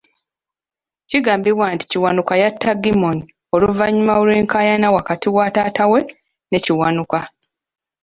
Kigambibwa nti Kiwanuka yatta Gimmony oluvannyuma lw'enkaayana wakati wa taata we ne Kiwanuka.